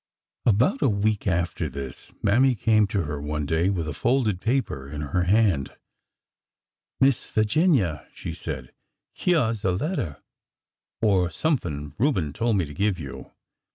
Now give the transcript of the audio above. About a week after this. Mammy came to her one day with a folded paper in her hand. " Miss Figinia," she said, '' hyeah 's a letter or somepn Reuben told me to give you.